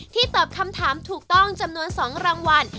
ตอบคำถามถูกต้องจำนวน๒รางวัล